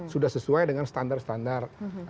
sudah sesuai dengan standar standar